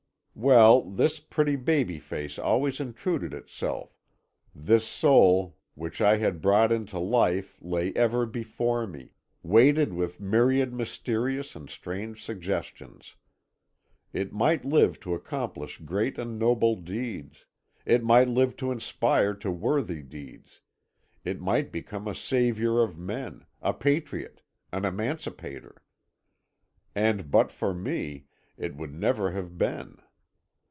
Well, this pretty baby face always intruded itself this soul which I had brought into life lay ever before me, weighted with myriad mysterious and strange suggestions. It might live to accomplish great and noble deeds it might live to inspire to worthy deeds it might become a saviour of men, a patriot, an emancipator. And but for me, it would never have been.